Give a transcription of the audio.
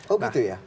oh gitu ya